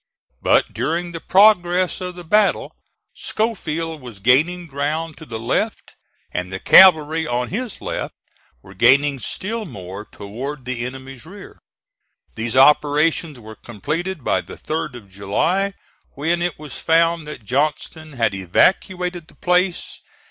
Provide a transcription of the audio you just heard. But during the progress of the battle Schofield was gaining ground to the left; and the cavalry on his left were gaining still more toward the enemy's rear. These operations were completed by the 3d of July, when it was found that Johnston had evacuated the place.